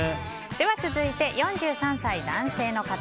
続いて、４３歳、男性の方。